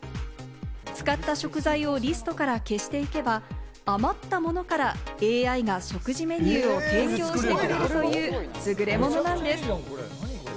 使った食材をリストから消していけば余ったものから、ＡＩが食事メニューを提供してくれるという優れものなんです。